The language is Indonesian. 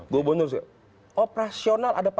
gubernur operasional ada perintah